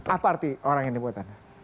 apa arti orang yang dibuat anda